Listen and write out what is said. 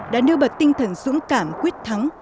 đã nêu bật tinh thần dũng cảm quyết thắng